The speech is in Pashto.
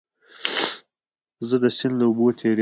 زه د سیند له اوبو تېرېږم.